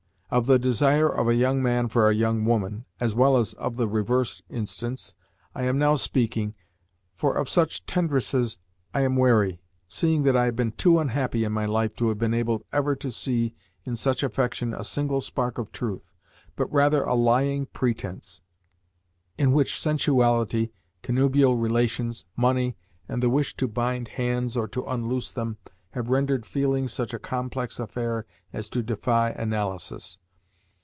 Of the desire of a young man for a young woman, as well as of the reverse instance, I am not now speaking, for of such tendresses I am wary, seeing that I have been too unhappy in my life to have been able ever to see in such affection a single spark of truth, but rather a lying pretence in which sensuality, connubial relations, money, and the wish to bind hands or to unloose them have rendered feeling such a complex affair as to defy analysis.